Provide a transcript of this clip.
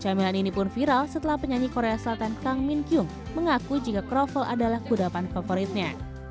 camilan ini pun viral setelah penyanyi korea selatan kang min kyung mengaku jika kroffel adalah kudapan favoritnya